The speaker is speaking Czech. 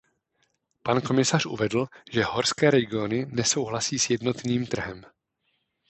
Pan komisař uvedl, že horské regiony nesouhlasí s jednotným trhem.